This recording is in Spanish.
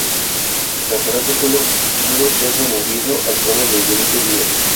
El aparato solo pudo ser removido al cabo de veinte días.